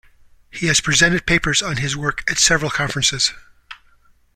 He has presented papers on his work at several conferences.